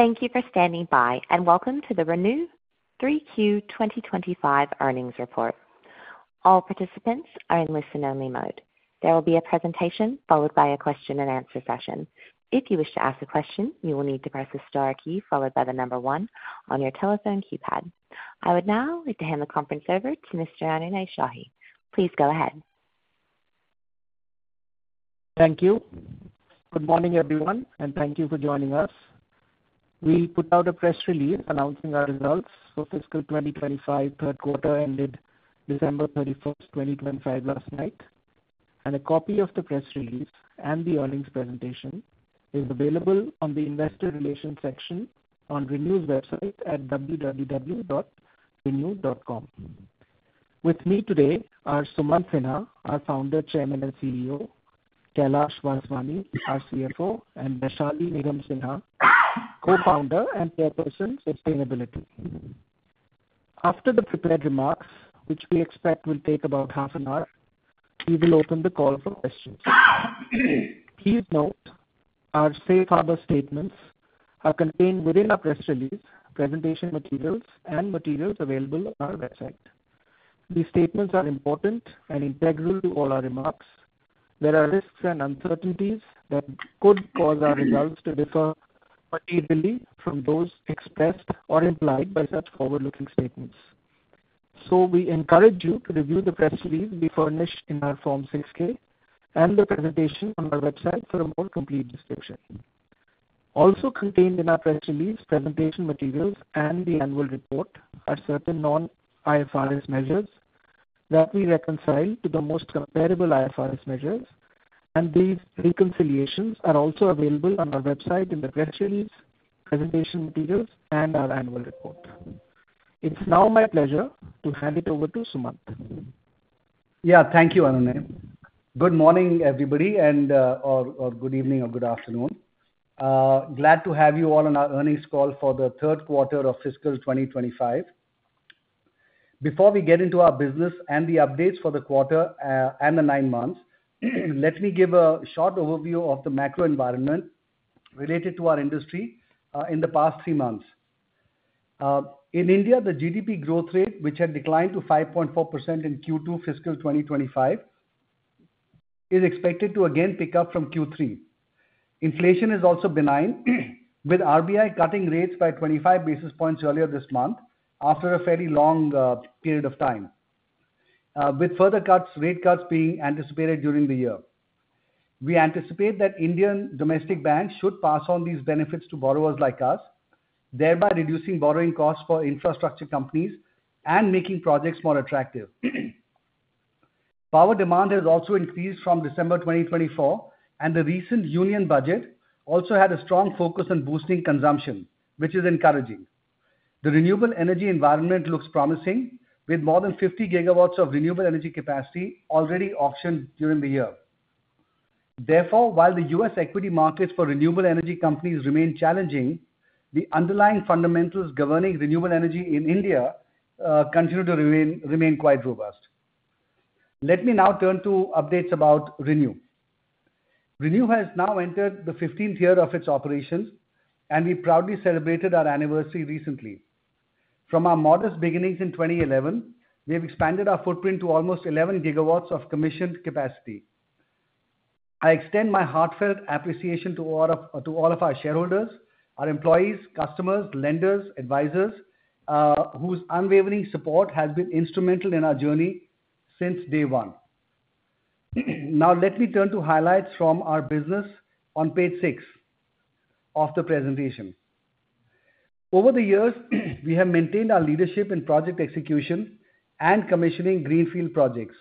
Thank you for standing by, and welcome to the ReNew 3Q 2025 Earnings Report. All participants are in listen-only mode. There will be a presentation followed by a question-and-answer session. If you wish to ask a question, you will need to press the star key followed by the number one on your telephone keypad. I would now like to hand the conference over to Mr. Anunay Shahi. Please go ahead. Thank you. Good morning, everyone, and thank you for joining us. We put out a press release announcing our results for fiscal 2025, Q3 ended December 31st, 2025, last night. A copy of the press release and the earnings presentation is available on the investor relations section on ReNew's website at www.renew.com. With me today are Sumant Sinha, our Founder, Chairman, and CEO; Kailash Vaswani, our CFO; and Vaishali Sinha, Co-Founder and Chairperson, Sustainability. After the prepared remarks, which we expect will take about half an hour, we will open the call for questions. Please note, our safe harbor statements are contained within our press release, presentation materials, and materials available on our website. These statements are important and integral to all our remarks. There are risks and uncertainties that could cause our results to differ materially from those expressed or implied by such forward-looking statements. So we encourage you to review the press release we furnish in our Form 6-K and the presentation on our website for a more complete description. Also contained in our press release, presentation materials, and the annual report are certain non-IFRS measures that we reconcile to the most comparable IFRS measures, and these reconciliations are also available on our website in the press release, presentation materials, and our annual report. It's now my pleasure to hand it over to Sumant. Yeah, thank you, Anunay. Good morning, everybody, and/or good evening or good afternoon. Glad to have you all on our earnings call for the Q3 of fiscal 2025. Before we get into our business and the updates for the quarter and the 9 months, let me give a short overview of the macro environment related to our industry in the past three months. In India, the GDP growth rate, which had declined to 5.4% in Q2 fiscal 2025, is expected to again pick up from Q3. Inflation is also benign, with RBI cutting rates by 25 basis points earlier this month after a fairly long period of time, with further rate cuts being anticipated during the year. We anticipate that Indian domestic banks should pass on these benefits to borrowers like us, thereby reducing borrowing costs for infrastructure companies and making projects more attractive. Power demand has also increased from December 2024, and the recent Union Budget also had a strong focus on boosting consumption, which is encouraging. The renewable energy environment looks promising, with more than 50 GW of renewable energy capacity already auctioned during the year. Therefore, while the U.S. equity markets for renewable energy companies remain challenging, the underlying fundamentals governing renewable energy in India continue to remain quite robust. Let me now turn to updates about ReNew. ReNew has now entered the 15th year of its operations, and we proudly celebrated our anniversary recently. From our modest beginnings in 2011, we have expanded our footprint to almost 11 GW of commissioned capacity. I extend my heartfelt appreciation to all of our shareholders, our employees, customers, lenders, advisors, whose unwavering support has been instrumental in our journey since day one. Now, let me turn to highlights from our business on page six of the presentation. Over the years, we have maintained our leadership in project execution and commissioning greenfield projects.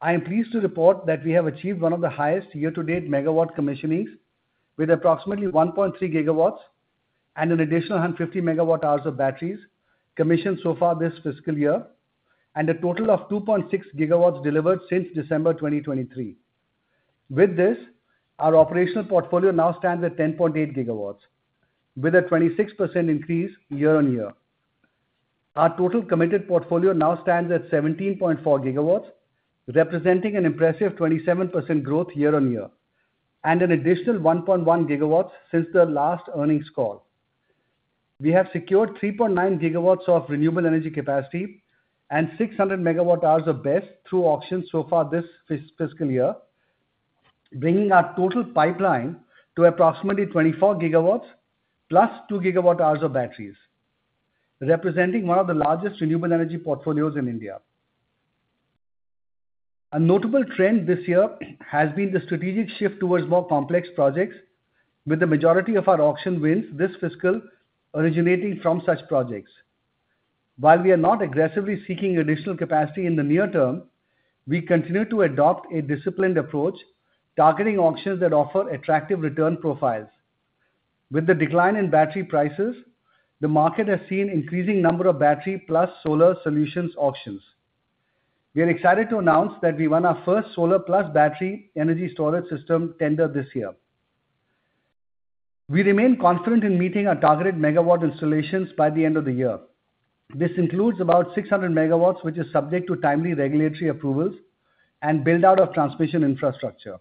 I am pleased to report that we have achieved one of the highest year-to-date MW commissionings, with approximately 1.3 GW and an additional 150 MWh of batteries commissioned so far this fiscal year, and a total of 2.6 GW delivered since December 2023. With this, our operational portfolio now stands at 10.8 GW, with a 26% increase year-on-year. Our total committed portfolio now stands at 17.4 GW, representing an impressive 27% growth year-on-year, and an additional 1.1 GW since the last earnings call. We have secured 3.9 GW of renewable energy capacity and 600 MWh of BESS through auction so far this fiscal year, bringing our total pipeline to approximately 24 GW plus 2 GWh of batteries, representing one of the largest renewable energy portfolios in India. A notable trend this year has been the strategic shift towards more complex projects, with the majority of our auction wins this fiscal originating from such projects. While we are not aggressively seeking additional capacity in the near term, we continue to adopt a disciplined approach targeting auctions that offer attractive return profiles. With the decline in battery prices, the market has seen an increasing number of battery plus solar solutions auctions. We are excited to announce that we won our first solar plus battery energy storage system tender this year. We remain confident in meeting our targeted MW installations by the end of the year. This includes about 600 MW, which is subject to timely regulatory approvals and build-out of transmission infrastructure.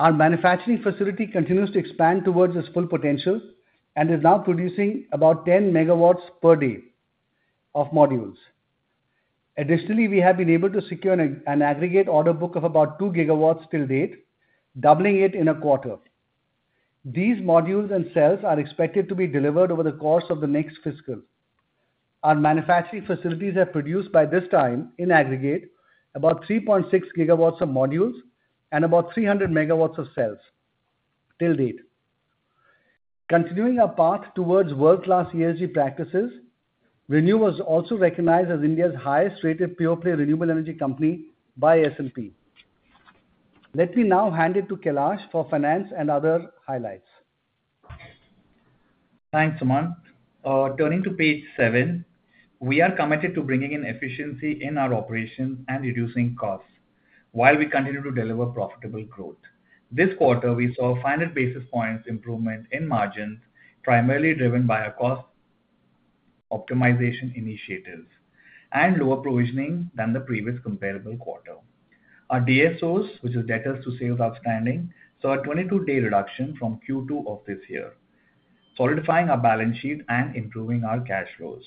Our manufacturing facility continues to expand towards its full potential and is now producing about 10 MW per day of modules. Additionally, we have been able to secure an aggregate order book of about 2 GW till date, doubling it in a quarter. These modules and cells are expected to be delivered over the course of the next fiscal. Our manufacturing facilities have produced by this time, in aggregate, about 3.6 GW of modules and about 300 MW of cells till date. Continuing our path towards world-class ESG practices, ReNew was also recognized as India's highest-rated pure-play renewable energy company by S&P. Let me now hand it to Kailash for finance and other highlights. Thanks, Sumant. Turning to page seven, we are committed to bringing in efficiency in our operations and reducing costs while we continue to deliver profitable growth. This quarter, we saw 500 basis points improvement in margins, primarily driven by our cost optimization initiatives and lower provisioning than the previous comparable quarter. Our DSOs, which is days sales outstanding, saw a 22-day reduction from Q2 of this year, solidifying our balance sheet and improving our cash flows.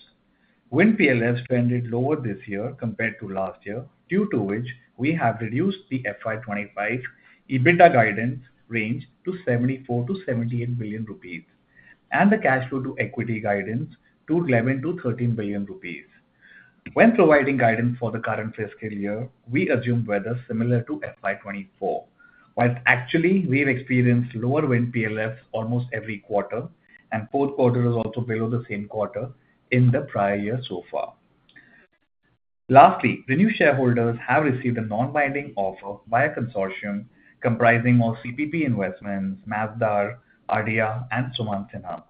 Wind PLFs trended lower this year compared to last year, due to which we have reduced the FY25 EBITDA guidance range to 74 billion-78 billion rupees and the cash flow to equity guidance to 11 billion-13 billion rupees. When providing guidance for the current fiscal year, we assumed weather similar to FY24, while actually we've experienced lower wind PLFs almost every quarter, and Q4 was also below the same quarter in the prior year so far. Lastly, ReNew shareholders have received a non-binding offer by a consortium comprising of CPP Investments, Masdar, ADIA, and Sumant Sinha.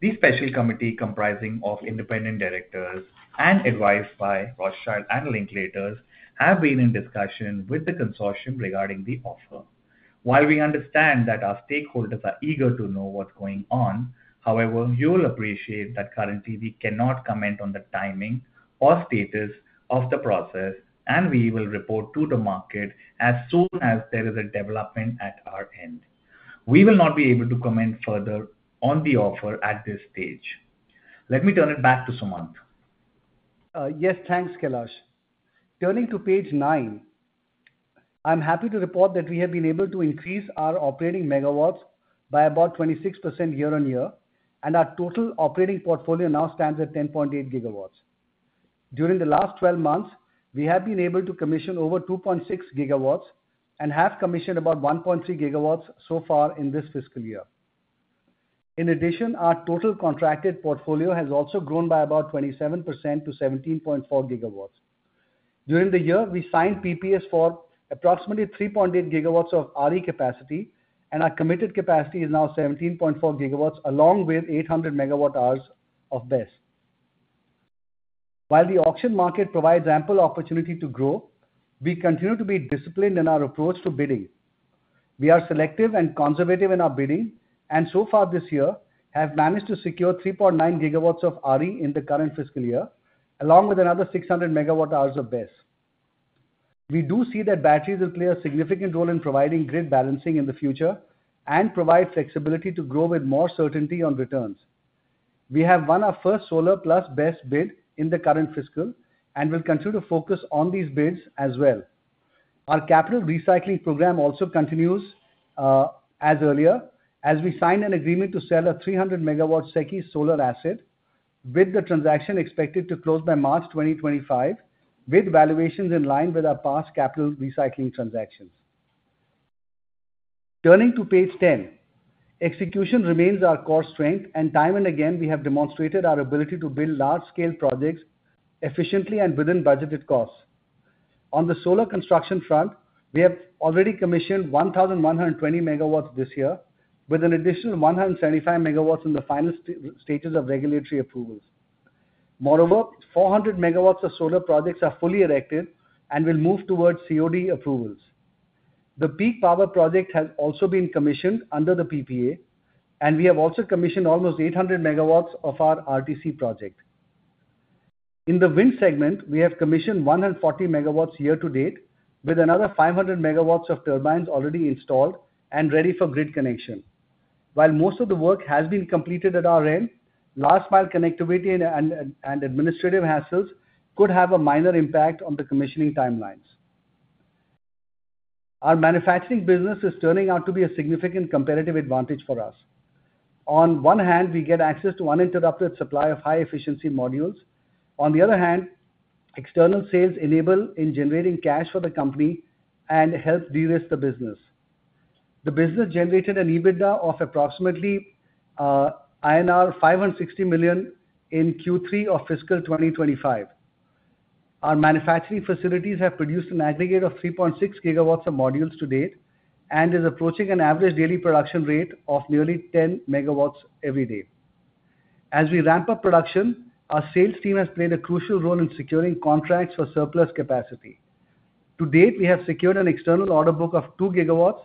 The special committee comprising of independent directors and advised by Rothschild and Linklaters have been in discussion with the consortium regarding the offer. While we understand that our stakeholders are eager to know what's going on, however, you will appreciate that currently we cannot comment on the timing or status of the process, and we will report to the market as soon as there is a development at our end. We will not be able to comment further on the offer at this stage. Let me turn it back to Sumant. Yes, thanks, Kailash. Turning to page 9, I'm happy to report that we have been able to increase our operating MW by about 26% year-on-year, and our total operating portfolio now stands at 10.8 GW. During the last 12 months, we have been able to commission over 2.6 GW and have commissioned about 1.3 GW so far in this fiscal year. In addition, our total contracted portfolio has also grown by about 27% to 17.4 GW. During the year, we signed PPAs for approximately 3.8 GW of RE capacity, and our committed capacity is now 17.4 GW, along with 800 MWh of BESS. While the auction market provides ample opportunity to grow, we continue to be disciplined in our approach to bidding. We are selective and conservative in our bidding, and so far this year have managed to secure 3.9 GW of RE in the current fiscal year, along with another 600 MWh of BESS. We do see that batteries will play a significant role in providing grid balancing in the future and provide flexibility to grow with more certainty on returns. We have won our first solar plus BESS bid in the current fiscal and will continue to focus on these bids as well. Our capital recycling program also continues as earlier, as we signed an agreement to sell a 300 MW SECI solar asset, with the transaction expected to close by March 2025, with valuations in line with our past capital recycling transactions. Turning to page 10, execution remains our core strength, and time and again we have demonstrated our ability to build large-scale projects efficiently and within budgeted costs. On the solar construction front, we have already commissioned 1,120 MW this year, with an additional 175 MW in the final stages of regulatory approvals. Moreover, 400 MW of solar projects are fully erected and will move towards COD approvals. The peak power project has also been commissioned under the PPA, and we have also commissioned almost 800 MW of our RTC project. In the wind segment, we have commissioned 140 MW year-to-date, with another 500 MW of turbines already installed and ready for grid connection. While most of the work has been completed at our end, last-mile connectivity and administrative hassles could have a minor impact on the commissioning timelines. Our manufacturing business is turning out to be a significant competitive advantage for us. On one hand, we get access to uninterrupted supply of high-efficiency modules. On the other hand, external sales enable in generating cash for the company and help de-risk the business. The business generated an EBITDA of approximately INR 560 million in Q3 of fiscal 2025. Our manufacturing facilities have produced an aggregate of 3.6 GW of modules to date and is approaching an average daily production rate of nearly 10 MW every day. As we ramp up production, our sales team has played a crucial role in securing contracts for surplus capacity. To date, we have secured an external order book of 2 GW,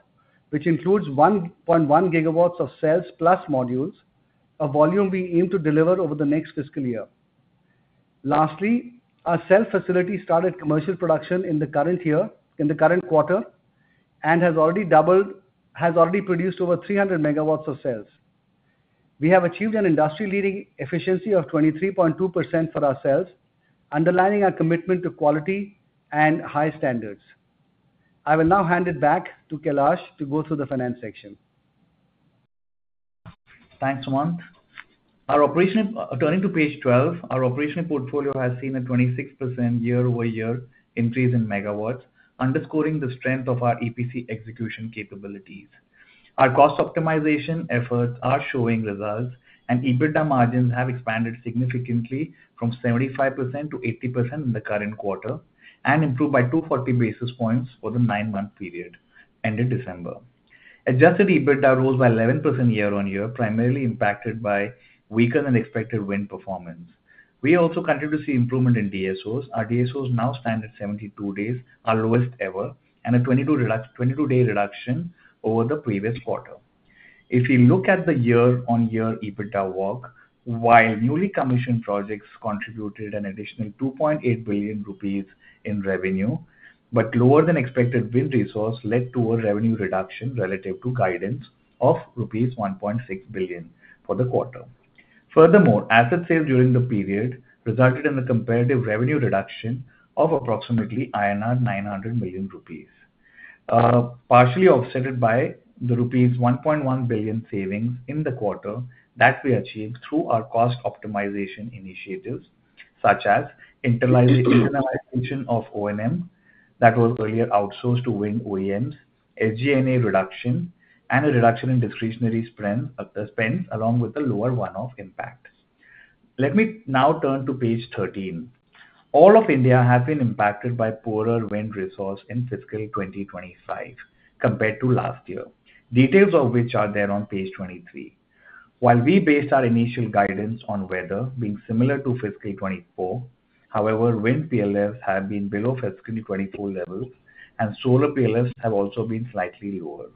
which includes 1.1 GW of cells plus modules, a volume we aim to deliver over the next fiscal year. Lastly, our cell facility started commercial production in the current year, in the current quarter, and has already produced over 300 MW of cells. We have achieved an industry-leading efficiency of 23.2% for our cells, underlining our commitment to quality and high standards. I will now hand it back to Kailash to go through the finance section. Thanks, Sumant. Turning to page 12, our operational portfolio has seen a 26% year-over-year increase in MW, underscoring the strength of our EPC execution capabilities. Our cost optimization efforts are showing results, and EBITDA margins have expanded significantly from 75%-80% in the current quarter and improved by 240 basis points for the 9-month period ended December. Adjusted EBITDA rose by 11% year-on-year, primarily impacted by weaker than expected wind performance. We also continue to see improvement in DSOs. Our DSOs now stand at 72 days, our lowest ever, and a 22-day reduction over the previous quarter. If you look at the year-on-year EBITDA walk, while newly commissioned projects contributed an additional 2.8 billion rupees in revenue, but lower than expected wind resource led to a revenue reduction relative to guidance of rupees 1.6 billion for the quarter. Furthermore, asset sales during the period resulted in a comparative revenue reduction of approximately 900 million rupees, partially offset by the rupees 1.1 billion savings in the quarter that we achieved through our cost optimization initiatives, such as internalization of O&M that was earlier outsourced to wind OEMs, SG&A reduction, and a reduction in discretionary spends, along with a lower one-off impact. Let me now turn to page 13. All of India have been impacted by poorer wind resource in fiscal 2025 compared to last year, details of which are there on page 23. While we based our initial guidance on weather being similar to fiscal 24, however, wind PLFs have been below fiscal 24 levels, and solar PLFs have also been slightly lower.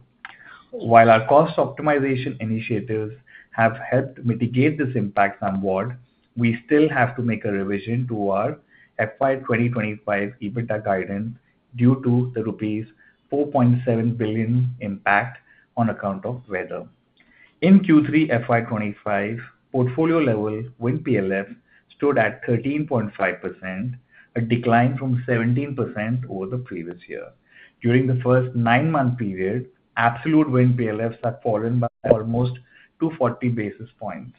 While our cost optimization initiatives have helped mitigate this impact somewhat, we still have to make a revision to our FY2025 EBITDA guidance due to the rupees 4.7 billion impact on account of weather. In Q3 FY2025, portfolio-level wind PLFs stood at 13.5%, a decline from 17% over the previous year. During the first 9-month period, absolute wind PLFs have fallen by almost 240 basis points.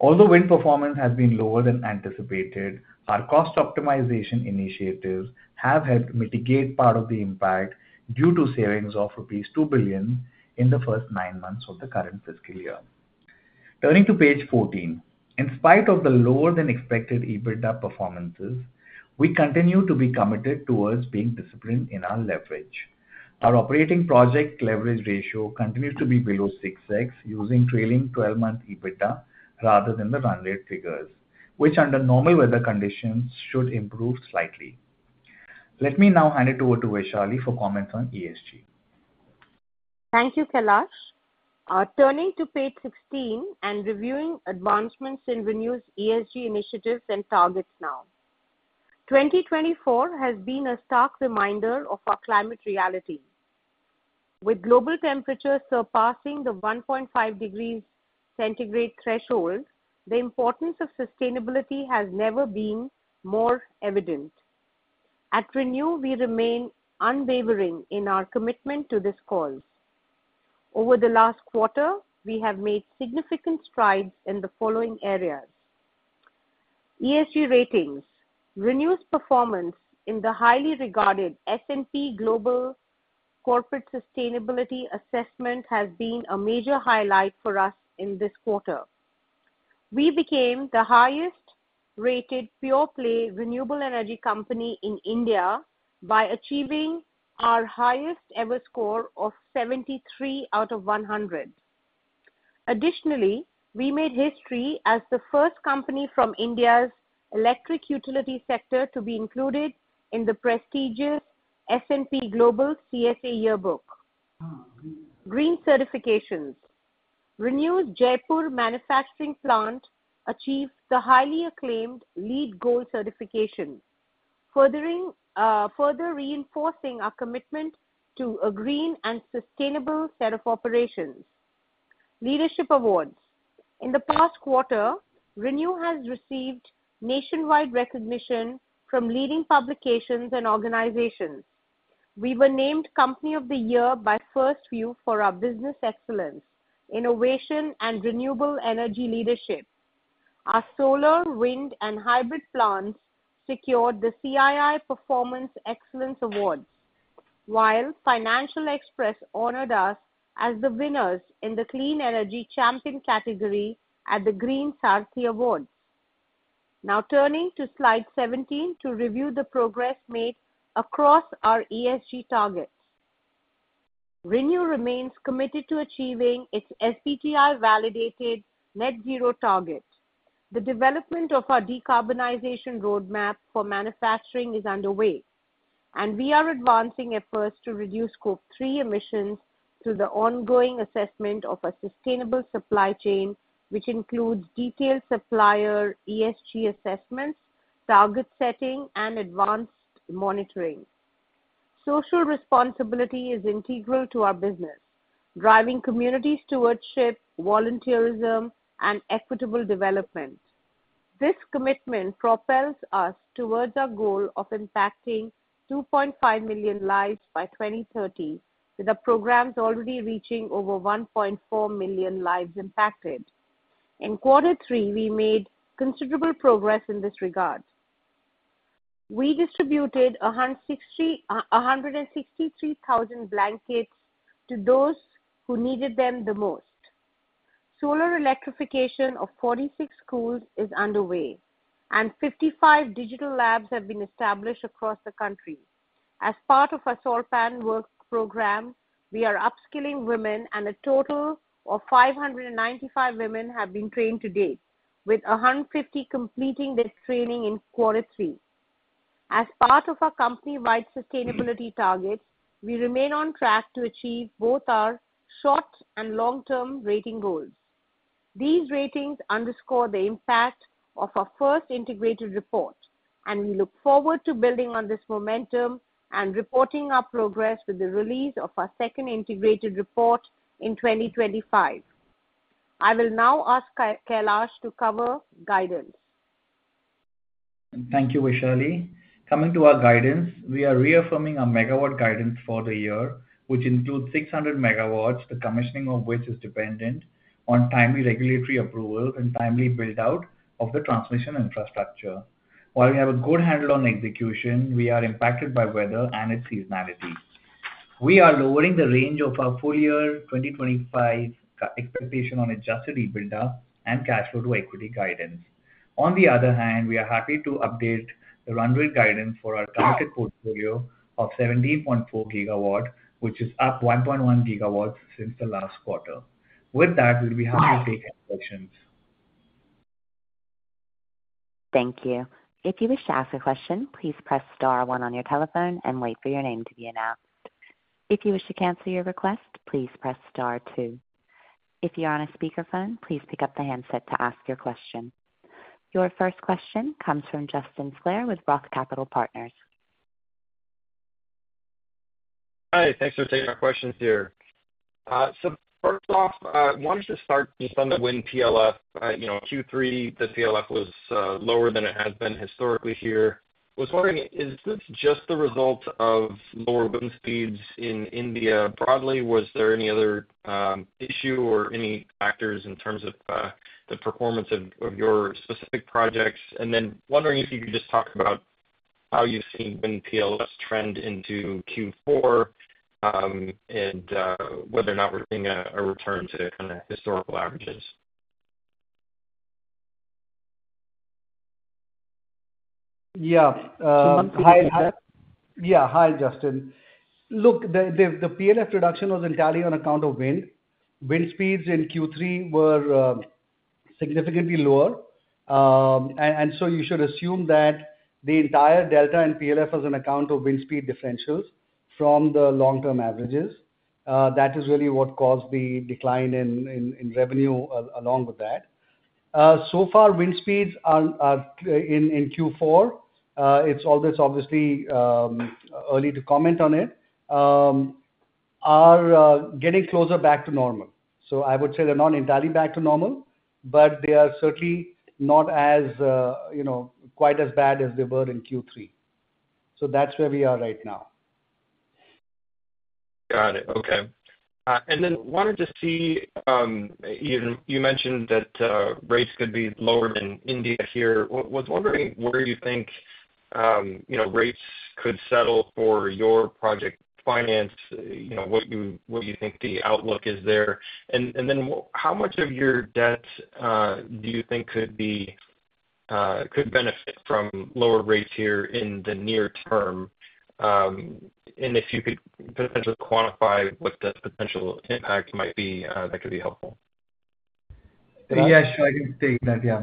Although wind performance has been lower than anticipated, our cost optimization initiatives have helped mitigate part of the impact due to savings of rupees 2 billion in the first 9 months of the current fiscal year. Turning to page 14, in spite of the lower than expected EBITDA performances, we continue to be committed towards being disciplined in our leverage. Our operating project leverage ratio continues to be below 6X, using trailing 12-month EBITDA rather than the run rate figures, which under normal weather conditions should improve slightly. Let me now hand it over to Vaishali for comments on ESG. Thank you, Kailash. Turning to page 16 and reviewing advancements in ReNew's ESG initiatives and targets now. 2024 has been a stark reminder of our climate reality. With global temperatures surpassing the 1.5 degrees centigrade threshold, the importance of sustainability has never been more evident. At ReNew, we remain unwavering in our commitment to this cause. Over the last quarter, we have made significant strides in the following areas: ESG ratings. ReNew's performance in the highly regarded S&P Global Corporate Sustainability Assessment has been a major highlight for us in this quarter. We became the highest-rated pure-play renewable energy company in India by achieving our highest-ever score of 73 out of 100. Additionally, we made history as the first company from India's electric utility sector to be included in the prestigious S&P Global CSA Yearbook. Green certifications. ReNew's Jaipur manufacturing plant achieved the highly acclaimed LEED Gold certification, further reinforcing our commitment to a green and sustainable set of operations. Leadership awards. In the past quarter, ReNew has received nationwide recognition from leading publications and organizations. We were named Company of the Year by FirstView for our business excellence, innovation, and renewable energy leadership. Our solar, wind, and hybrid plants secured the CII Performance Excellence Awards, while Financial Express honored us as the winners in the Clean Energy Champion category at the Green Saarthi Awards. Now turning to slide 17 to review the progress made across our ESG targets. ReNew remains committed to achieving its SBTi-validated net-zero target. The development of our decarbonization roadmap for manufacturing is underway, and we are advancing efforts to reduce Scope 3 emissions through the ongoing assessment of a sustainable supply chain, which includes detailed supplier ESG assessments, target setting, and advanced monitoring. Social responsibility is integral to our business, driving community stewardship, volunteerism, and equitable development. This commitment propels us towards our goal of impacting 2.5 million lives by 2030, with our programs already reaching over 1.4 million lives impacted. In quarter three, we made considerable progress in this regard. We distributed 163,000 blankets to those who needed them the most. Solar electrification of 46 schools is underway, and 55 digital labs have been established across the country. As part of our salt pan work program, we are upskilling women, and a total of 595 women have been trained to date, with 150 completing their training in quarter three. As part of our company-wide sustainability targets, we remain on track to achieve both our short and long-term rating goals. These ratings underscore the impact of our first integrated report, and we look forward to building on this momentum and reporting our progress with the release of our second integrated report in 2025. I will now ask Kailash to cover guidance. Thank you, Vaishali. Coming to our guidance, we are reaffirming our MW guidance for the year, which includes 600 MW, the commissioning of which is dependent on timely regulatory approvals and timely build-out of the transmission infrastructure. While we have a good handle on execution, we are impacted by weather and its seasonality. We are lowering the range of our full year 2025 expectation on adjusted EBITDA and cash flow to equity guidance. On the other hand, we are happy to update the run rate guidance for our target portfolio of 17.4 GW, which is up 1.1 GW since the last quarter. With that, we'll be happy to take any questions. Thank you. If you wish to ask a question, please press star one on your telephone and wait for your name to be announced. If you wish to cancel your request, please press star two. If you are on a speakerphone, please pick up the handset to ask your question. Your first question comes from Justin Clare with Roth Capital Partners. Hi. Thanks for taking our questions here. So first off, I wanted to start just on the wind PLF. Q3, the PLF was lower than it has been historically here. I was wondering, is this just the result of lower wind speeds in India broadly? Was there any other issue or any factors in terms of the performance of your specific projects? And then wondering if you could just talk about how you've seen wind PLFs trend into Q4 and whether or not we're seeing a return to kind of historical averages. Yeah. Yeah. Hi, Justin. Look, the PLF reduction was entirely on account of wind. Wind speeds in Q3 were significantly lower, and so you should assume that the entire delta in PLF was on account of wind speed differentials from the long-term averages. That is really what caused the decline in revenue along with that. So far, wind speeds in Q4, it's always obviously early to comment on it, are getting closer back to normal, so I would say they're not entirely back to normal, but they are certainly not quite as bad as they were in Q3, so that's where we are right now. Got it. Okay. And then wanted to see, you mentioned that rates could be lower than India here. I was wondering where you think rates could settle for your project finance, what you think the outlook is there. How much of your debt do you think could benefit from lower rates here in the near term? If you could potentially quantify what the potential impact might be, that could be helpful. Yeah, sure. I can take that, yeah.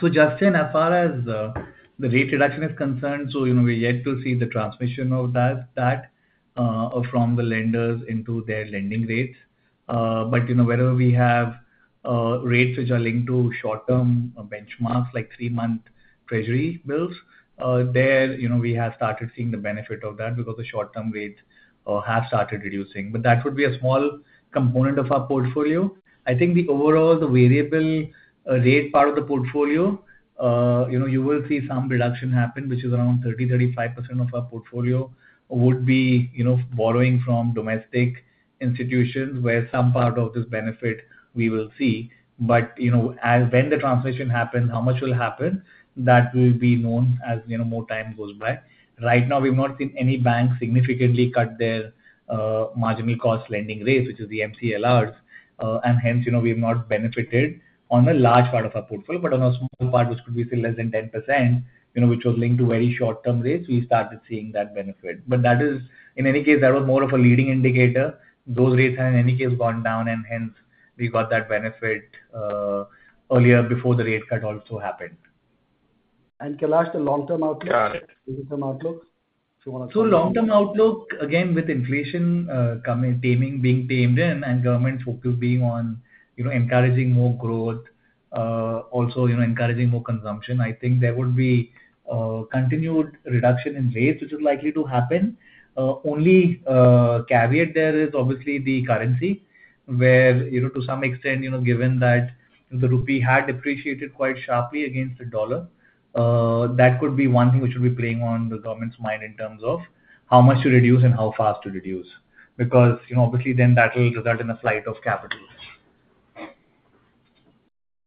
So Justin, as far as the rate reduction is concerned, so we're yet to see the transmission of that from the lenders into their lending rates. But wherever we have rates which are linked to short-term benchmarks, like three-month treasury bills, there we have started seeing the benefit of that because the short-term rates have started reducing. But that would be a small component of our portfolio. I think the overall variable rate part of the portfolio, you will see some reduction happen, which is around 30-35% of our portfolio would be borrowing from domestic institutions where some part of this benefit we will see. But when the transmission happens, how much will happen, that will be known as more time goes by. Right now, we've not seen any bank significantly cut their marginal cost lending rates, which is the MCLRs, and hence we have not benefited on a large part of our portfolio. But on a small part, which could be less than 10%, which was linked to very short-term rates, we started seeing that benefit. But in any case, that was more of a leading indicator. Those rates have in any case gone down, and hence we got that benefit earlier before the rate cut also happened. And Kailash, the long-term outlook? Got it. Long-term outlook, if you want to talk about. So long-term outlook, again, with inflation being tamed and government focus being on encouraging more growth, also encouraging more consumption, I think there would be continued reduction in rates, which is likely to happen. Only caveat there is obviously the currency, where to some extent, given that the rupee had depreciated quite sharply against the dollar, that could be one thing which would be playing on the government's mind in terms of how much to reduce and how fast to reduce. Because obviously then that will result in a flight of capital.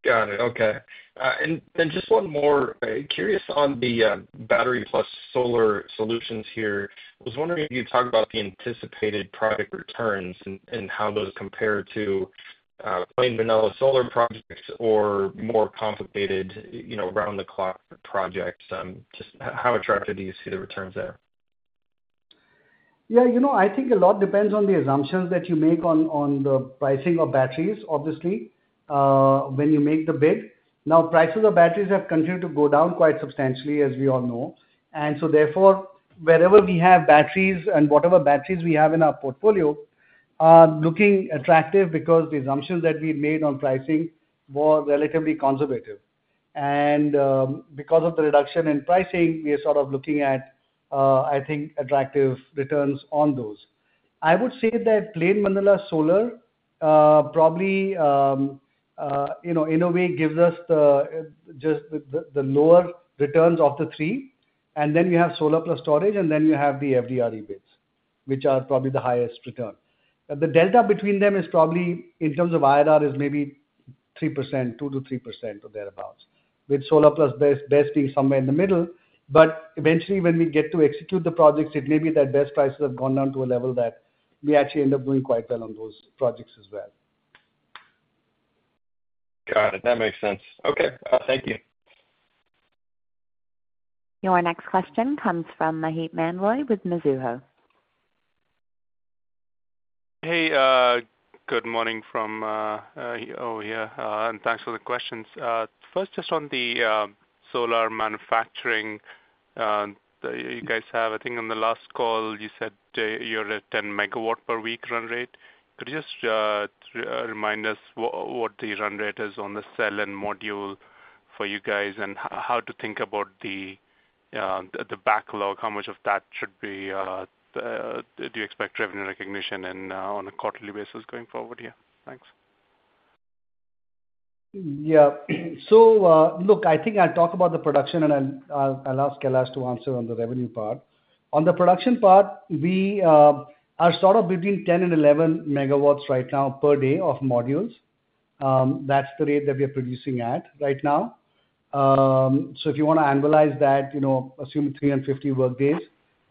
Got it. Okay. And then just one more. Curious on the battery plus solar solutions here. I was wondering if you'd talk about the anticipated project returns and how those compare to plain vanilla solar projects or more complicated round-the-clock projects. Just how attractive do you see the returns there? Yeah. I think a lot depends on the assumptions that you make on the pricing of batteries, obviously, when you make the bid. Now, prices of batteries have continued to go down quite substantially, as we all know. And so therefore, wherever we have batteries and whatever batteries we have in our portfolio, looking attractive because the assumptions that we made on pricing were relatively conservative. And because of the reduction in pricing, we are sort of looking at, I think, attractive returns on those. I would say that plain vanilla solar probably in a way gives us just the lower returns of the three. And then you have solar plus storage, and then you have the FDRE bids, which are probably the highest return. The delta between them is probably in terms of IRR is maybe 2%-3% or thereabouts, with solar plus BESS being somewhere in the middle, but eventually, when we get to execute the projects, it may be that BESS prices have gone down to a level that we actually end up doing quite well on those projects as well. Got it. That makes sense. Okay. Thank you. Your next question comes from Maheep Mandloi with Mizuho. Hey. Good morning from here. And thanks for the questions. First, just on the solar manufacturing, you guys have, I think on the last call, you said you're at 10 MW per week run rate. Could you just remind us what the run rate is on the cell and module for you guys and how to think about the backlog? How much of that do you expect revenue recognition on a quarterly basis going forward here? Thanks. Yeah. So look, I think I'll talk about the production, and I'll ask Kailash to answer on the revenue part. On the production part, we are sort of between 10 MW and 11 MW right now per day of modules. That's the rate that we are producing at right now. So if you want to analyze that, assume 350 work days,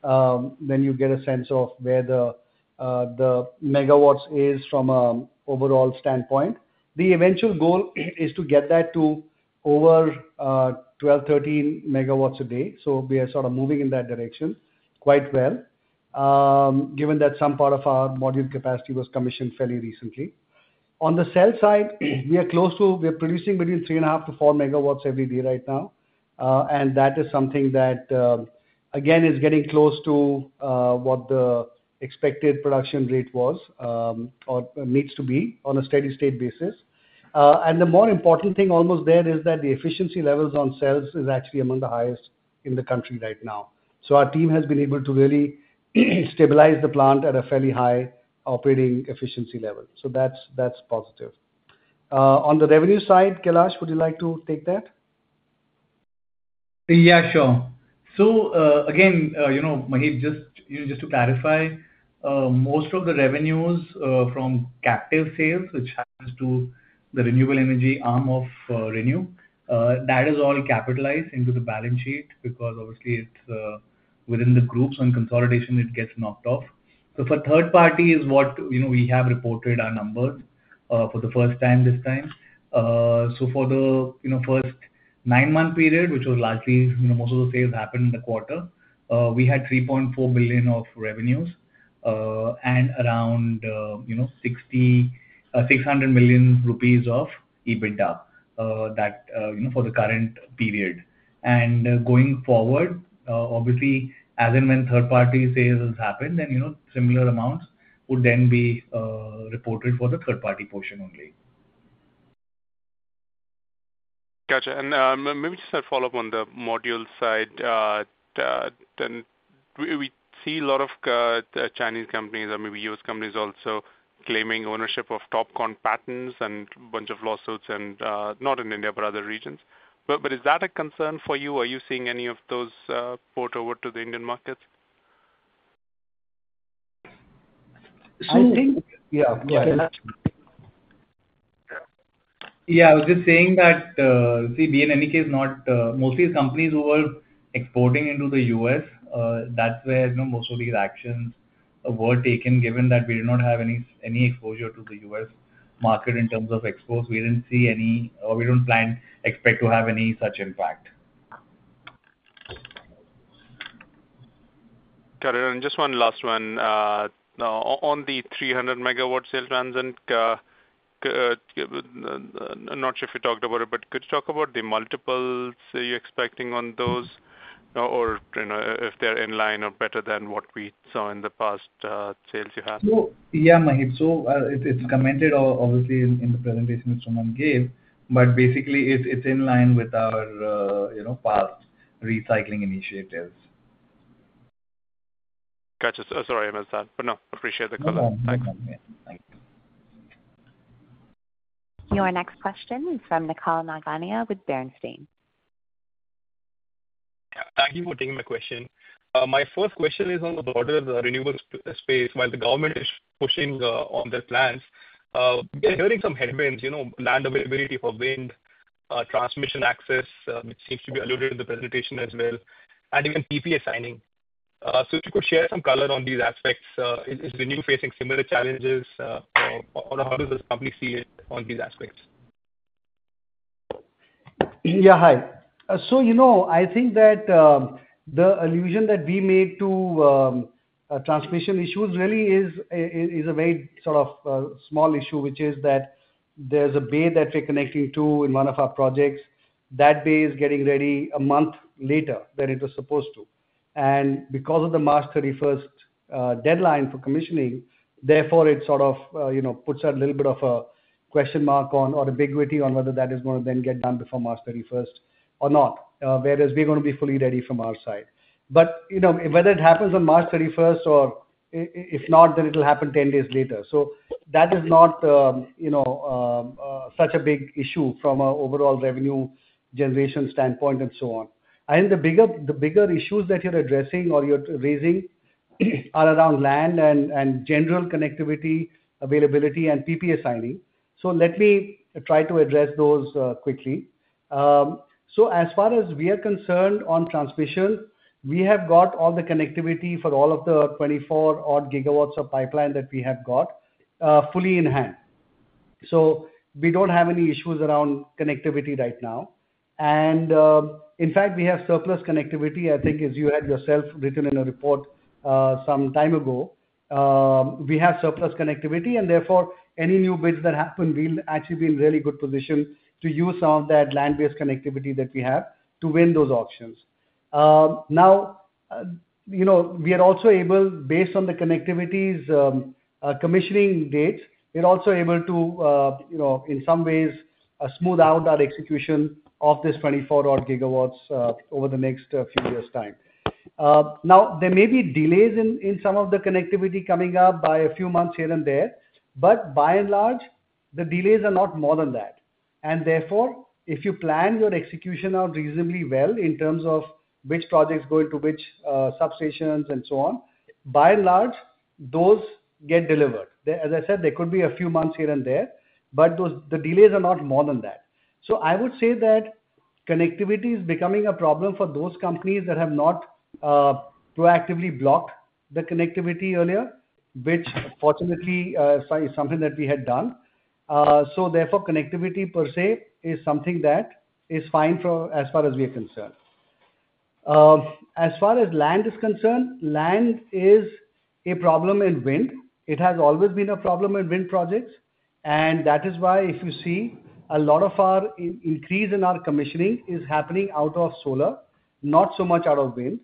then you get a sense of where the MW is from an overall standpoint. The eventual goal is to get that to over 12, 13 MW a day. So we are sort of moving in that direction quite well, given that some part of our module capacity was commissioned fairly recently. On the cell side, we are producing between 3.5 MW-4 MW every day right now. And that is something that, again, is getting close to what the expected production rate was or needs to be on a steady-state basis. And the more important thing almost there is that the efficiency levels on cells is actually among the highest in the country right now. So our team has been able to really stabilize the plant at a fairly high operating efficiency level. So that's positive. On the revenue side, Kailash, would you like to take that? Yeah, sure. So again, Maheep, just to clarify, most of the revenues from captive sales, which happens to the renewable energy arm of ReNew, that is all capitalized into the balance sheet because obviously it's within the groups and consolidation, it gets knocked off. So for third-party is what we have reported our numbers for the first time this time. So for the first 9-month period, which was largely most of the sales happened in the quarter, we had 3.4 billion of revenues and around 600 million rupees of EBITDA for the current period. And going forward, obviously, as and when third-party sales happen, then similar amounts would then be reported for the third-party portion only. Gotcha. And maybe just a follow-up on the module side. We see a lot of Chinese companies or maybe U.S. companies also claiming ownership of TOPCon patents and a bunch of lawsuits, not in India, but other regions. But is that a concern for you? Are you seeing any of those port over to the Indian markets? I think, yeah. Yeah. I was just saying that, see, in any case, mostly companies who were exporting into the U.S., that's where most of these actions were taken, given that we did not have any exposure to the U.S. market in terms of exports. We didn't see any or we don't plan to expect to have any such impact. Got it. And just one last one. On the 300 MW sales run and not sure if you talked about it, but could you talk about the multiples you're expecting on those or if they're in line or better than what we saw in the past sales you had? Yeah, Maheep. It's commented, obviously, in the presentation we gave, but basically, it's in line with our past recycling initiatives. Gotcha. Sorry I missed that. But no, appreciate the comment. Thanks. Your next question is from Nikhil Nigania with Bernstein. Thank you for taking my question. My first question is on the border of the renewable space. While the government is pushing on their plans, we are hearing some headwinds, land availability for wind, transmission access, which seems to be alluded in the presentation as well, and even PPA signing. So if you could share some color on these aspects, is ReNew facing similar challenges, or how does this company see it on these aspects? Yeah. Hi. So I think that the allusion that we made to transmission issues really is a very sort of small issue, which is that there's a bay that we're connecting to in one of our projects. That bay is getting ready a month later than it was supposed to. And because of the March 31st deadline for commissioning, therefore, it sort of puts a little bit of a question mark on ambiguity on whether that is going to then get done before March 31st or not, whereas we're going to be fully ready from our side. But whether it happens on March 31st or if not, then it'll happen 10 days later. So that is not such a big issue from an overall revenue generation standpoint and so on. I think the bigger issues that you're addressing or you're raising are around land and general connectivity, availability, and PPA signing. So let me try to address those quickly. So as far as we are concerned on transmission, we have got all the connectivity for all of the 24-odd GW of pipeline that we have got fully in hand. So we don't have any issues around connectivity right now. And in fact, we have surplus connectivity, I think, as you had yourself written in a report some time ago. We have surplus connectivity, and therefore, any new bids that happen, we'll actually be in a really good position to use some of that land-based connectivity that we have to win those auctions. Now, we are also able, based on the connectivity commissioning dates, we're also able to, in some ways, smooth out our execution of this 24-odd GW over the next few years' time. Now, there may be delays in some of the connectivity coming up by a few months here and there, but by and large, the delays are not more than that, and therefore, if you plan your execution out reasonably well in terms of which projects go into which substations and so on, by and large, those get delivered. As I said, there could be a few months here and there, but the delays are not more than that, so I would say that connectivity is becoming a problem for those companies that have not proactively blocked the connectivity earlier, which fortunately is something that we had done. So therefore, connectivity per se is something that is fine as far as we are concerned. As far as land is concerned, land is a problem in wind. It has always been a problem in wind projects. And that is why if you see a lot of our increase in our commissioning is happening out of solar, not so much out of wind.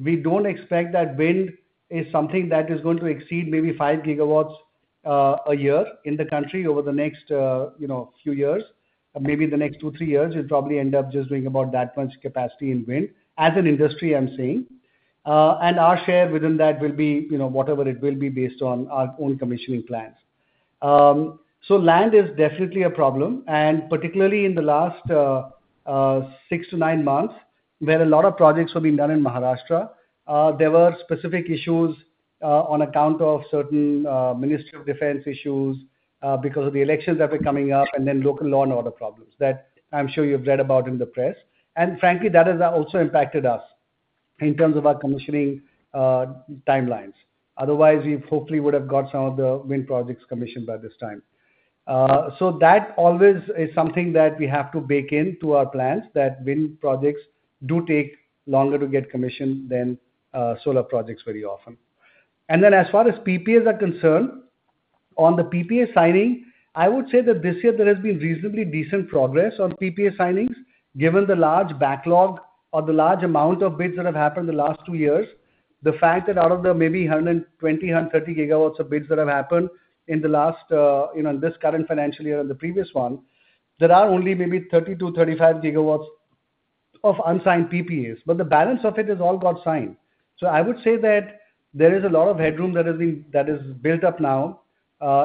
We don't expect that wind is something that is going to exceed maybe 5 GW a year in the country over the next few years. Maybe the next two, three years will probably end up just doing about that much capacity in wind, as an industry, I'm saying. And our share within that will be whatever it will be based on our own commissioning plans. So land is definitely a problem. Particularly in the last six to nine months, where a lot of projects were being done in Maharashtra, there were specific issues on account of certain Ministry of Defence issues because of the elections that were coming up and then local law and order problems that I'm sure you've read about in the press. Frankly, that has also impacted us in terms of our commissioning timelines. Otherwise, we hopefully would have got some of the wind projects commissioned by this time. That always is something that we have to bake into our plans that wind projects do take longer to get commissioned than solar projects very often. And then as far as PPAs are concerned, on the PPA signing, I would say that this year there has been reasonably decent progress on PPA signings, given the large backlog or the large amount of bids that have happened in the last two years. The fact that out of the maybe 120 GW-130 GW of bids that have happened in the last, in this current financial year and the previous one, there are only maybe 30 GW-35 GW of unsigned PPAs. But the balance of it has all got signed. So I would say that there is a lot of headroom that has been built up now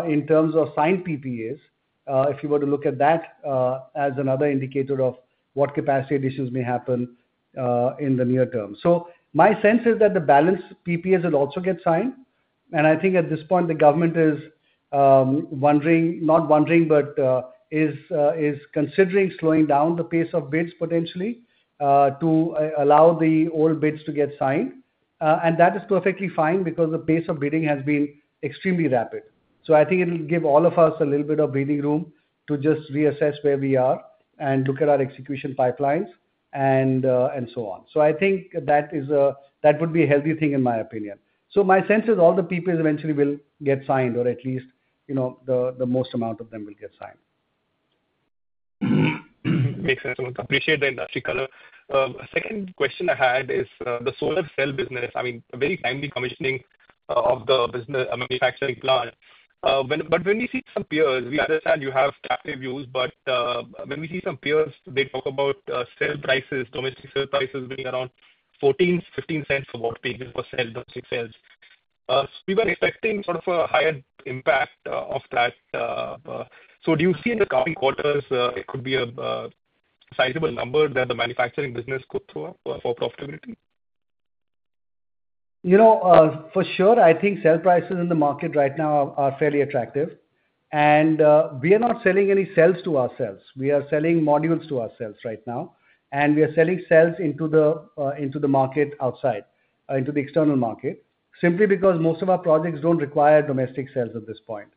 in terms of signed PPAs, if you were to look at that as another indicator of what capacity additions may happen in the near term. So my sense is that the balance PPAs will also get signed. And I think at this point, the government is wondering, not wondering, but is considering slowing down the pace of bids potentially to allow the old bids to get signed. And that is perfectly fine because the pace of bidding has been extremely rapid. So I think it'll give all of us a little bit of breathing room to just reassess where we are and look at our execution pipelines and so on. So I think that would be a healthy thing, in my opinion. So my sense is all the PPAs eventually will get signed, or at least the most amount of them will get signed. Makes sense. I appreciate the industry color. Second question I had is the solar cell business. I mean, very timely commissioning of the manufacturing plant. But when we see some peers, we understand you have captive use, but when we see some peers, they talk about cell prices, domestic cell prices being around $0.14-$0.15 per watt-peak per cell, domestic cells. We were expecting sort of a higher impact of that. So do you see in the coming quarters, it could be a sizable number that the manufacturing business could throw up for profitability? For sure, I think cell prices in the market right now are fairly attractive. And we are not selling any cells to ourselves. We are selling modules to ourselves right now. And we are selling cells into the market outside, into the external market, simply because most of our projects don't require domestic cells at this point.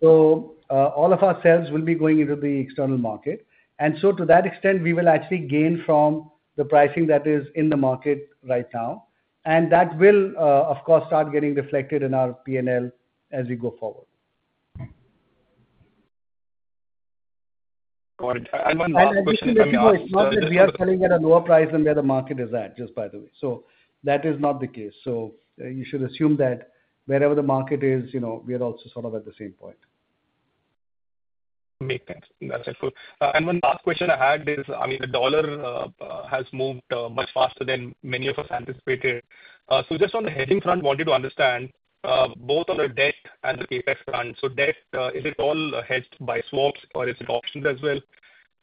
So all of our cells will be going into the external market. And so to that extent, we will actually gain from the pricing that is in the market right now. And that will, of course, start getting reflected in our P&L as we go forward. One last question. And we are selling at a lower price than where the market is at, just by the way. So that is not the case. So you should assume that wherever the market is, we are also sort of at the same point. Makes sense. That's helpful. And one last question I had is, I mean, the dollar has moved much faster than many of us anticipated. So just on the hedging front, wanted to understand both on the debt and the CapEx front. So debt, is it all hedged by swaps, or is it options as well?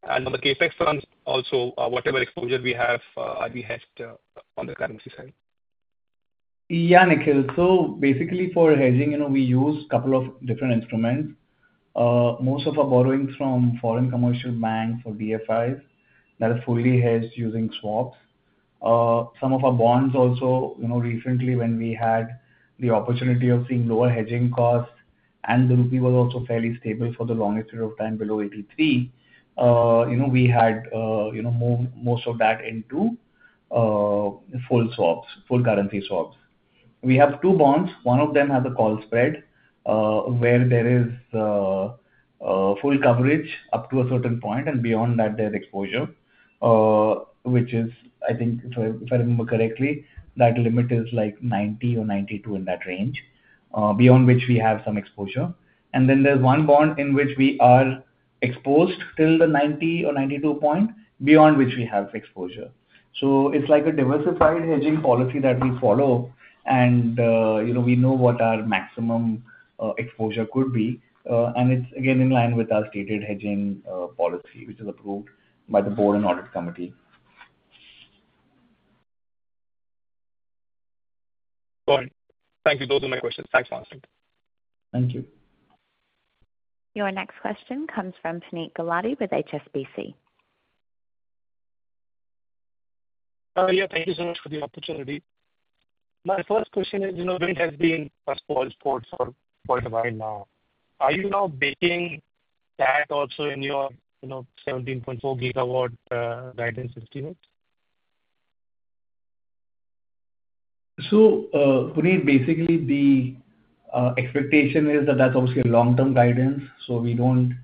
And on the CapEx front, also, whatever exposure we have, are we hedged on the currency side? Yeah, Nikhil. So basically, for hedging, we use a couple of different instruments. Most of our borrowings from foreign commercial banks or DFIs that are fully hedged using swaps. Some of our bonds also, recently, when we had the opportunity of seeing lower hedging costs and the rupee was also fairly stable for the longest period of time below 83, we had moved most of that into full swaps, full currency swaps. We have two bonds. One of them has a call spread where there is full coverage up to a certain point, and beyond that, there's exposure, which is, I think, if I remember correctly, that limit is like 90 or 92 in that range, beyond which we have some exposure, and then there's one bond in which we are exposed till the 90 or 92 point, beyond which we have exposure. It's like a diversified hedging policy that we follow, and we know what our maximum exposure could be. It's, again, in line with our stated hedging policy, which is approved by the Board and Audit Committee. Got it. Thank you. Those are my questions. Thanks, Mahasin. Thank you. Your next question comes from Puneet Gulati with HSBC. Yeah. Thank you so much for the opportunity. My first question is, wind has been a support for a while now. Are you now baking that also in your 17.4 gigawatt guidance estimates? So, Puneet, basically, the expectation is that that's obviously a long-term guidance, so we don't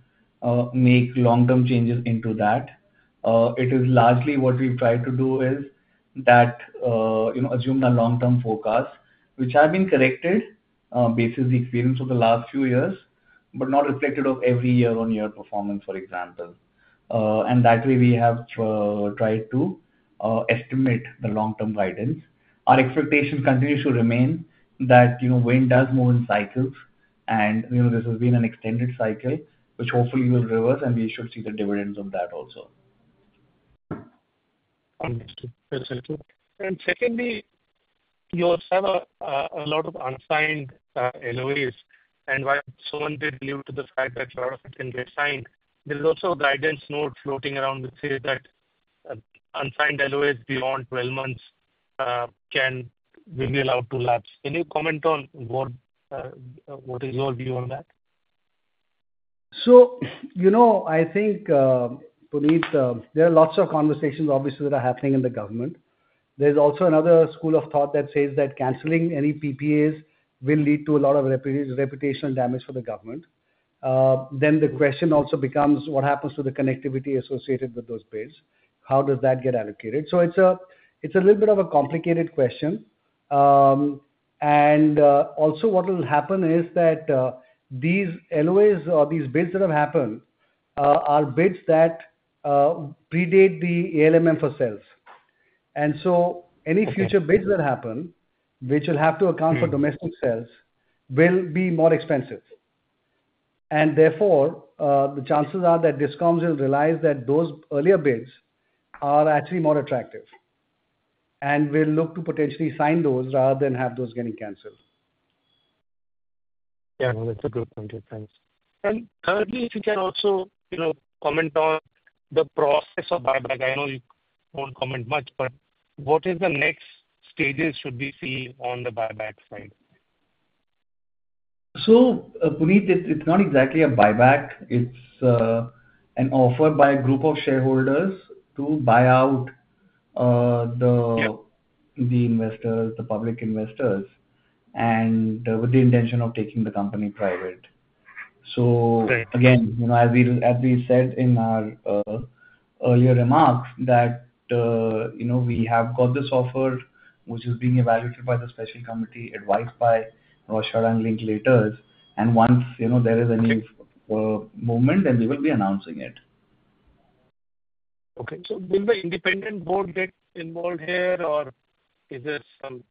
make long-term changes into that. It is largely what we've tried to do is that assume a long-term forecast, which has been corrected based on the experience of the last few years, but not reflected on every year-on-year performance, for example. And that way, we have tried to estimate the long-term guidance. Our expectation continues to remain that wind does move in cycles, and this has been an extended cycle, which hopefully will reverse, and we should see the dividends of that also. Secondly, you also have a lot of unsigned LOAs. While someone did allude to the fact that a lot of it can get signed, there's also a guidance note floating around which says that unsigned LOAs beyond 12 months can be allowed to lapse. Can you comment on what is your view on that? So I think, Puneet, there are lots of conversations, obviously, that are happening in the government. There's also another school of thought that says that canceling any PPAs will lead to a lot of reputational damage for the government. Then the question also becomes, what happens to the connectivity associated with those bids? How does that get allocated? So it's a little bit of a complicated question. And also, what will happen is that these LOAs or these bids that have happened are bids that predate the ALMM for cells. And so any future bids that happen, which will have to account for domestic cells, will be more expensive. And therefore, the chances are that discoms will realize that those earlier bids are actually more attractive and will look to potentially sign those rather than have those getting canceled. Yeah. That's a good point. Thanks. And currently, if you can also comment on the process of buyback, I know you won't comment much, but what is the next stages should we see on the buyback side? Puneet, it's not exactly a buyback. It's an offer by a group of shareholders to buy out the investors, the public investors, with the intention of taking the company private. So again, as we said in our earlier remarks, that we have got this offer, which is being evaluated by the special committee, advised by Rothschild and Linklaters. And once there is any movement, then we will be announcing it. Okay. So will the independent board get involved here, or is there some?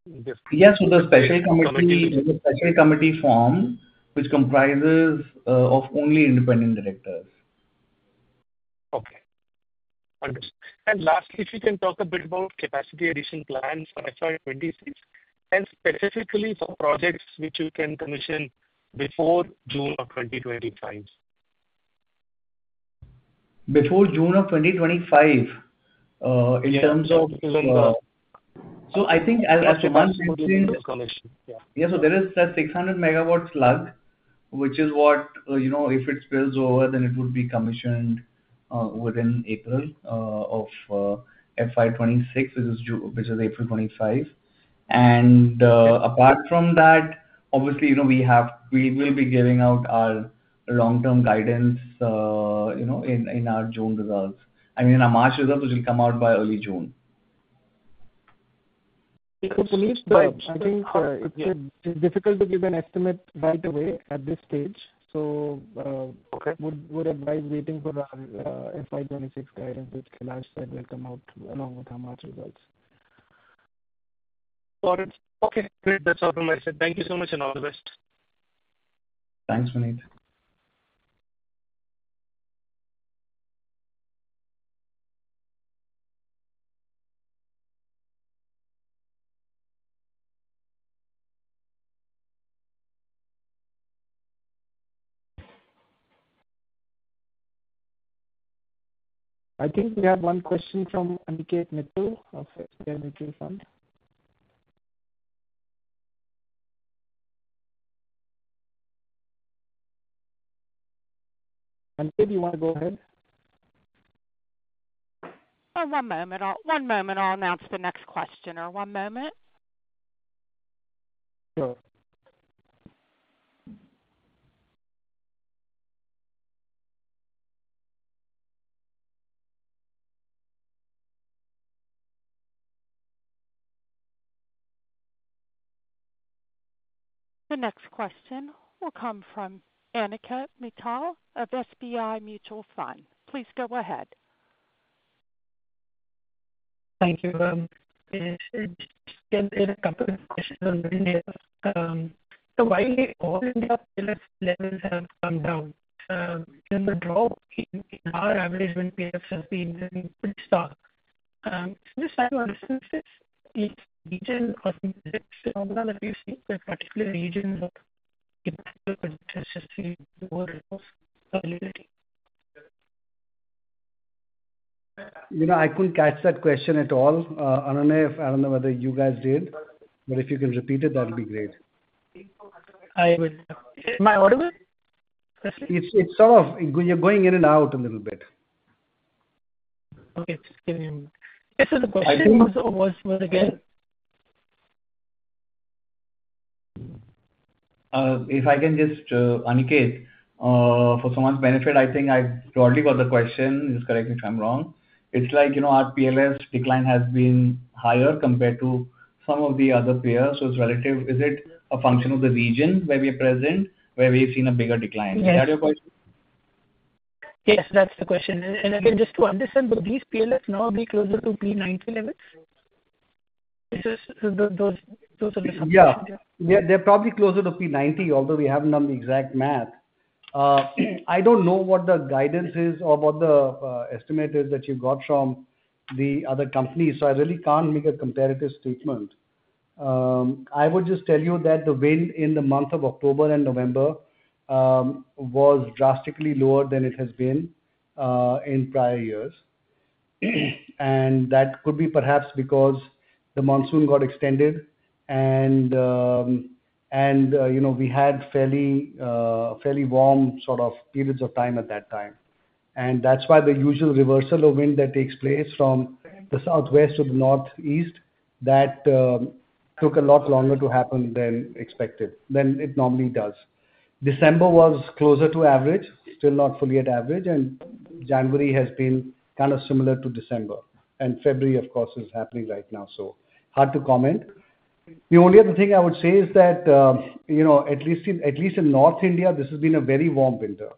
Yes. With the special committee formed, which comprises of only independent directors. Okay, and lastly, if you can talk a bit about capacity addition plans for FY26 and specifically for projects which you can commission before June of 2025? Before June of 2025, in terms of. So I think as months have changed. Yeah. So there is a 600 MW slug, which is what if it spills over, then it would be commissioned within April of FY26, which is April 2025. And apart from that, obviously, we will be giving out our long-term guidance in our June results. I mean, in our March results, which will come out by early June. Nikhil, Puneet, I think it's difficult to give an estimate right away at this stage. So I would advise waiting for our FY26 guidance, which Kailash said will come out along with our March results. Got it. Okay. Great. That's all from my side. Thank you so much and all the best. Thanks, Puneet. I think we have one question from Aniket Mittal of SBI Mutual Fund. Aniket, you want to go ahead? One moment. One moment. I'll announce the next questioner. One moment. Sure. The next question will come from Aniket Mittal of SBI Mutual Fund. Please go ahead. Thank you. Just a couple of questions on the news. So while the O&M prices have come down, in control, our average wind PLF has been pretty stark. Is this an analysis of each region or specifics of that you see for particular regions of impact or potential to see more volatility? I couldn't catch that question at all. Anunay, I don't know whether you guys did. But if you can repeat it, that would be great. I will. Am I audible? It's sort of you're going in and out a little bit. Okay. Just give me a minute. This is a question I also was with again. If I can just, Aniket, for someone's benefit, I think I broadly got the question. Just correct me if I'm wrong. It's like our PLF decline has been higher compared to some of the other players. So it's relative. Is it a function of the region where we are present, where we've seen a bigger decline? Is that your question? Yes. That's the question. And again, just to understand, will these PLFs now be closer to P90 levels? Those are the sub-questions. Yeah. They're probably closer to P90, although we haven't done the exact math. I don't know what the guidance is or what the estimate is that you've got from the other companies, so I really can't make a comparative statement. I would just tell you that the wind in the month of October and November was drastically lower than it has been in prior years, and that could be perhaps because the monsoon got extended, and we had fairly warm sort of periods of time at that time, and that's why the usual reversal of wind that takes place from the southwest to the northeast that took a lot longer to happen than expected, than it normally does. December was closer to average, still not fully at average, and January has been kind of similar to December, and February, of course, is happening right now, so hard to comment. The only other thing I would say is that at least in North India, this has been a very warm winter,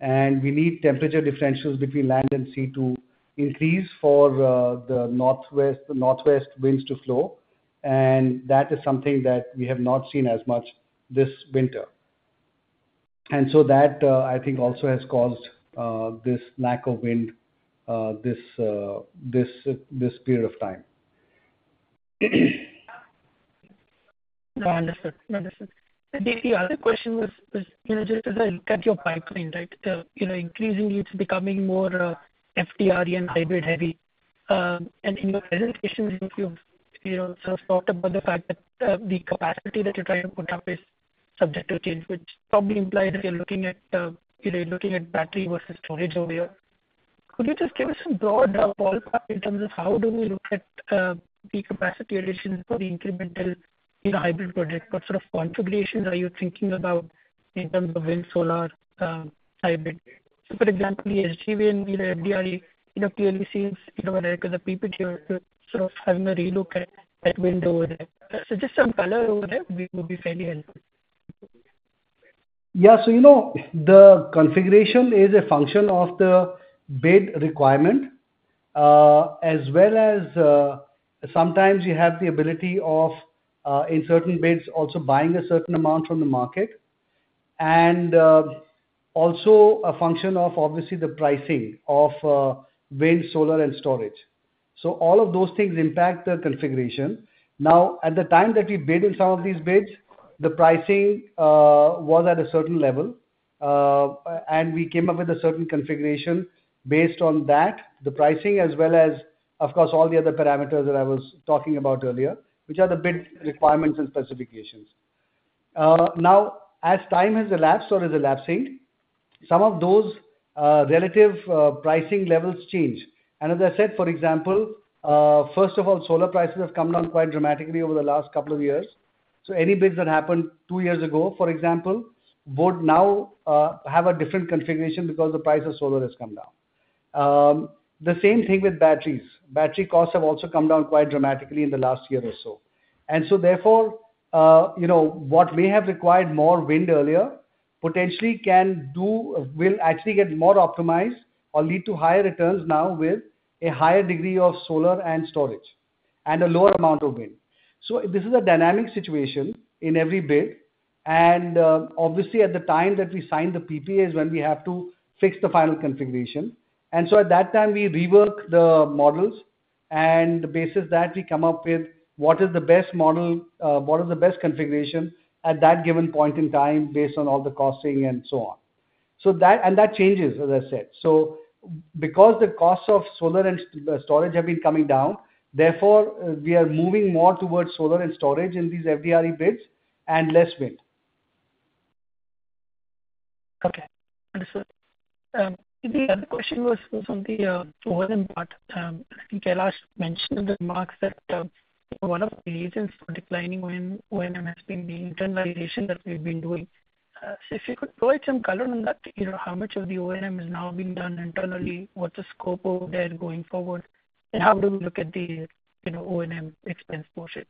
and we need temperature differentials between land and sea to increase for the northwest winds to flow, and that, I think, also has caused this lack of wind this period of time. Understood. The other question was just as I look at your pipeline, right, increasingly it's becoming more FDRE and hybrid-heavy. And in your presentation, you sort of talked about the fact that the capacity that you're trying to put up is subject to change, which probably implies that you're looking at battery versus storage over here. Could you just give us a broad ballpark in terms of how do we look at the capacity addition for the incremental hybrid project? What sort of configurations are you thinking about in terms of wind, solar, hybrid? So for example, the SJVN and the FDRE clearly seems like the PPA are sort of having a relook at wind over there. So just some color over there would be fairly helpful. Yeah. So the configuration is a function of the bid requirement, as well as sometimes you have the ability of, in certain bids, also buying a certain amount from the market and also a function of, obviously, the pricing of wind, solar, and storage. So all of those things impact the configuration. Now, at the time that we bid in some of these bids, the pricing was at a certain level, and we came up with a certain configuration based on that, the pricing, as well as, of course, all the other parameters that I was talking about earlier, which are the bid requirements and specifications. Now, as time has elapsed or is elapsing, some of those relative pricing levels change. And as I said, for example, first of all, solar prices have come down quite dramatically over the last couple of years. So any bids that happened two years ago, for example, would now have a different configuration because the price of solar has come down. The same thing with batteries. Battery costs have also come down quite dramatically in the last year or so. And so therefore, what may have required more wind earlier potentially can do will actually get more optimized or lead to higher returns now with a higher degree of solar and storage and a lower amount of wind. So this is a dynamic situation in every bid. And obviously, at the time that we sign the PPA is when we have to fix the final configuration. And so at that time, we rework the models, and based on that, we come up with what is the best model, what is the best configuration at that given point in time based on all the costing and so on. And that changes, as I said. So because the costs of solar and storage have been coming down, therefore, we are moving more towards solar and storage in these FDRE bids and less wind. Okay. Understood. The other question was on the O&M. I think Kailash mentioned in remarks that one of the reasons for declining O&M being the internalization that we've been doing. So if you could provide some color on that, how much of the O&M is now being done internally, what's the scope of that going forward, and how do we look at the O&M expense portion?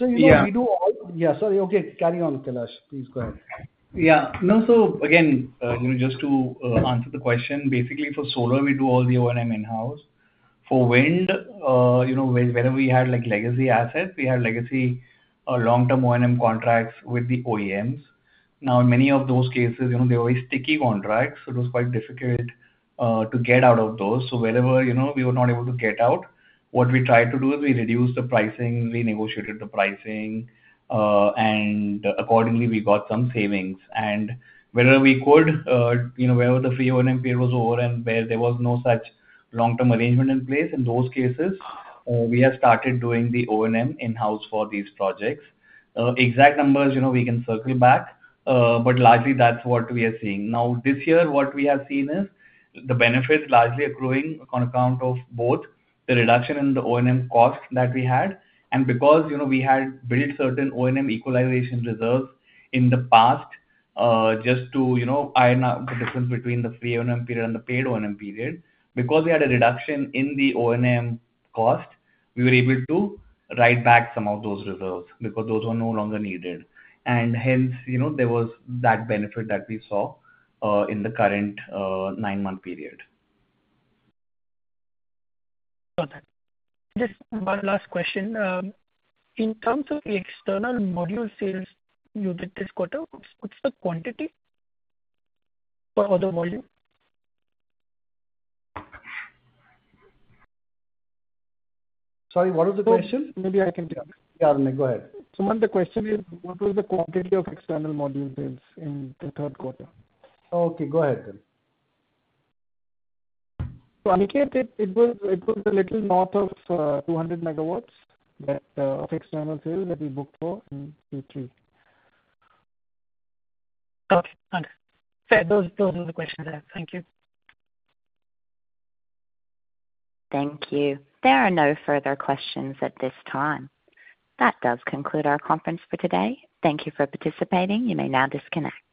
We do all. Yeah. Yeah. Sorry. Okay. Carry on, Kailash. Please go ahead. Yeah. No. So again, just to answer the question, basically, for solar, we do all the O&M in-house. For wind, whenever we had legacy assets, we had legacy long-term O&M contracts with the OEMs. Now, in many of those cases, they were very sticky contracts, so it was quite difficult to get out of those. So whenever we were not able to get out, what we tried to do is we reduced the pricing, renegotiated the pricing, and accordingly, we got some savings. And wherever we could, whenever the free O&M period was over and where there was no such long-term arrangement in place, in those cases, we have started doing the O&M in-house for these projects. Exact numbers, we can circle back, but largely, that's what we are seeing. Now, this year, what we have seen is the benefits largely accruing on account of both the reduction in the O&M costs that we had and because we had built certain O&M equalization reserves in the past just to iron out the difference between the free O&M period and the paid O&M period. Because we had a reduction in the O&M cost, we were able to write back some of those reserves because those were no longer needed, and hence, there was that benefit that we saw in the current 9-month period. Got it. Just one last question. In terms of the external module sales, you did this quarter, what's the quantity for the volume? Sorry. What was the question? Maybe I can tell. Yeah. Go ahead. One of the questions is, what was the quantity of external module sales in the Q3? Okay. Go ahead then. So Aniket, it was a little north of 200 MW of external sales that we booked for in Q3. Okay. Those are the questions I have. Thank you. Thank you. There are no further questions at this time. That does conclude our conference for today. Thank you for participating. You may now disconnect.